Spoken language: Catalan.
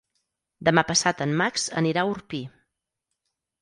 Demà passat en Max anirà a Orpí.